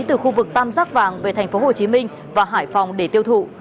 từ khu vực tam giác vàng về thành phố hồ chí minh và hải phòng để tiêu thụ